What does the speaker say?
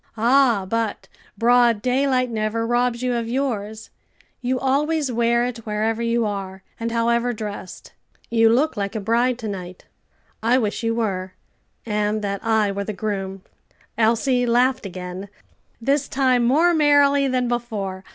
"Ah, but broad daylight never robs you of yours; you always wear it wherever you are, and however dressed. You look like a bride to night; I wish you were, and that I were the groom." Elsie laughed again, this time more merrily than before.